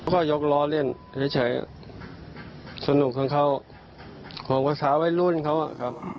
ก็ยกล้อเล่นเฉสใช้สนุกเข้าขวังภาคสาวะรุ่นเค้า